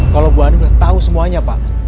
kalau bu anu udah tahu semuanya pak